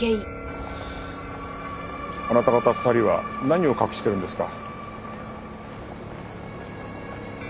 あなた方２人は何を隠してるんですか？